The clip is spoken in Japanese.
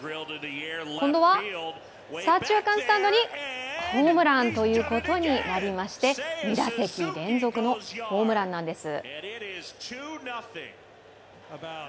今度は、左中間スタンドにホームランということになりまして２打席連続のホームランなんです。